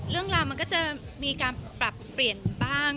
เรื่องราวมันก็จะมีการปรับเปลี่ยนบ้าง